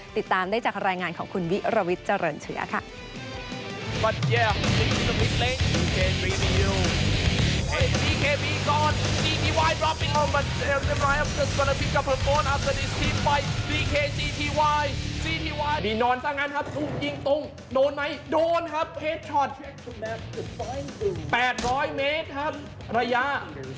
ติดตามได้จากรายงานของคุณวิรวิทย์เจริญเชื้อค่ะ